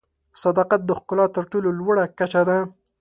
صداقت د ښکلا تر ټولو لوړه کچه ده.